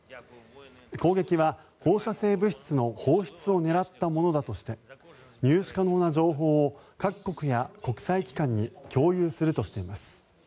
攻撃は放射性物質の放出を狙ったものだとして入手可能な情報を各国や国際機関に共有するとしています。